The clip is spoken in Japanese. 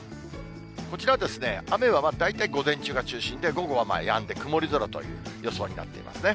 こちらは雨は大体午前中が中心で、午後はやんで曇り空という予想になってますね。